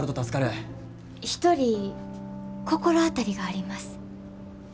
一人心当たりがあります。